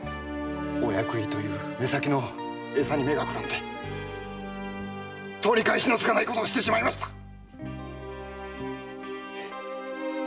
お役入りという目先のエサに目がくらんで取り返しのつかないことをしてしまいました！